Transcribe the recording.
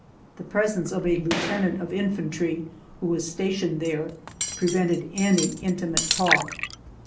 The presence of a lieutenant of infantry, who was stationed there, prevented any intimate talk.